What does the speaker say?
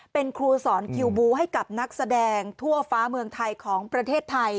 เป็นครูสอนคิวบูให้กับนักแสดงทั่วฟ้าเมืองไทยของประเทศไทย